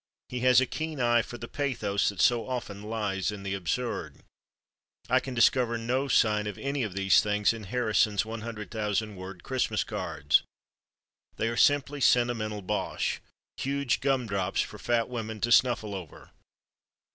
He has a keen eye for the pathos that so often lies in the absurd. I can discover no sign of any of these things in Harrison's 100,000 word Christmas cards. They are simply sentimental bosh—huge gum drops for fat women to snuffle over.